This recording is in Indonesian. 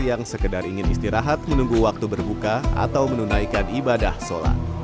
yang sekedar ingin istirahat menunggu waktu berbuka atau menunaikan ibadah sholat